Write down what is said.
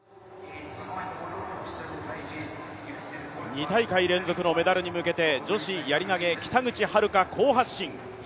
２大会連続のメダルに向けて女子やり投北口榛花、好発進。